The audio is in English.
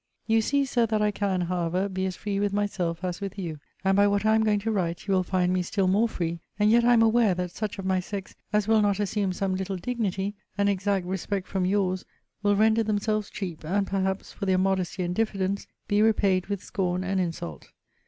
You see, Sir, that I can, however, be as free with myself as with you: and by what I am going to write, you will find me still more free; and yet I am aware that such of my sex as will not assume some little dignity, and exact respect from your's, will render themselves cheap; and, perhaps, for their modesty and diffidence, be repaid with scorn and insult.